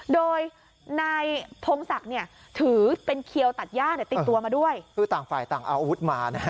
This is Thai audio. โดยนายพงศักดิ์เนี่ยถือเป็นเขียวตัดย่าเนี่ยติดตัวมาด้วยคือต่างฝ่ายต่างเอาอาวุธมานะฮะ